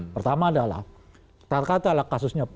pertama adalah katakanlah kasusnya